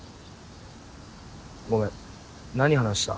ごめん何話した？